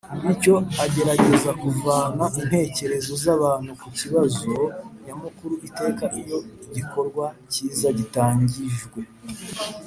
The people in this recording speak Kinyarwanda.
bityo agerageza kuvana intekerezo z’abantu ku kibazo nyamukuru iteka iyo igikorwa cyiza gitangijwe